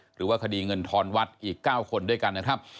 หรือว่าคดีเงินทอนวัดอีก๙คนด้วยกันนะครับ